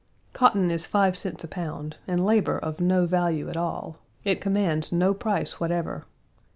Cotton is five cents a pound and labor of no value at all; it commands no price whatever.